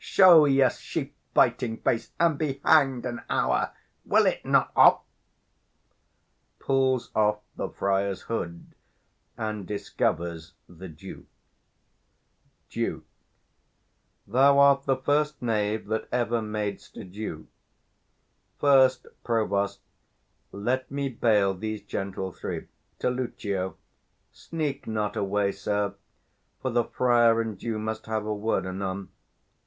show your sheep biting face, and be hanged an hour! Will't not off? [Pulls off the friar's hood, and discovers the Duke. Duke. Thou art the first knave that e'er madest a Duke. First, provost, let me bail these gentle three. 355 [To Lucio] Sneak not away, sir; for the friar and you Must have a word anon.